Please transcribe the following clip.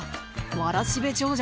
わらしべ長者。